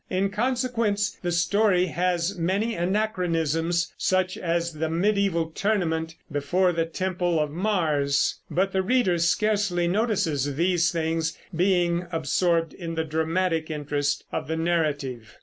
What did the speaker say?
In consequence the story has many anachronisms, such as the mediæval tournament before the temple of Mars; but the reader scarcely notices these things, being absorbed in the dramatic interest of the narrative.